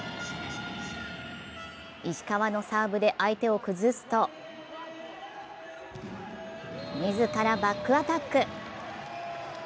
石川のサーブで相手を崩すと自らバックアタック。